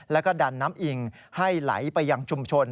แล้วก็ดันน้ำอิงให้ไหลไปยังชุมชน